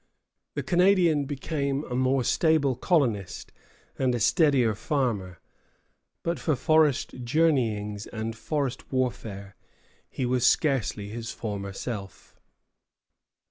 The Canadian became a more stable colonist and a steadier farmer; but for forest journeyings and forest warfare he was scarcely his former self.